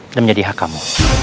udah menjadi hak kamu